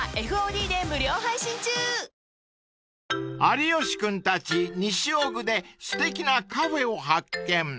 ［有吉君たち西尾久ですてきなカフェを発見］